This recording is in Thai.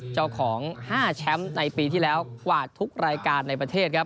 เจ้าของ๕แชมป์ในปีที่แล้วกว่าทุกรายการในประเทศครับ